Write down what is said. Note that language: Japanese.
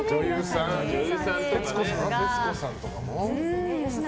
徹子さんとかね。